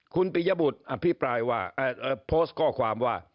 คุณปิยบุตรโพสต์ข้อความว่า